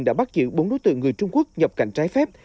đã bắt giữ bốn đối tượng người trung quốc nhập cảnh trái phép